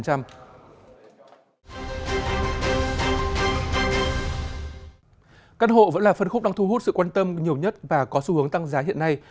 căn hộ vẫn là phân khúc đang thu hút sự quan tâm nhiều nhất và có xu hướng tăng giá hiện nay